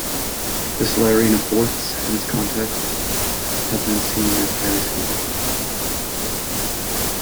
This layering of fourths in this context has been seen as highly significant.